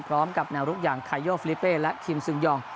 พร้อมกับแนวลุกอย่างคาโยฟิลิเป้และคิมซึงยอง